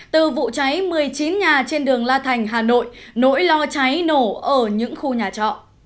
từ vụ cháy một mươi chín nhà trên đường la thành hà nội nỗi lo cháy nổ ở những khu nhà trọ